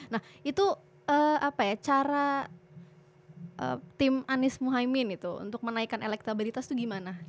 nah itu cara tim anies muhaymin itu untuk menaikkan elektabilitas itu gimana